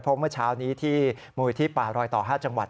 เพราะเมื่อเช้านี้ที่มูลิธิป่ารอยต่อ๕จังหวัด